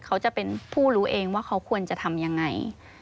เขาจะเป็นผู้รู้เองว่าเขาควรจะทำยังไง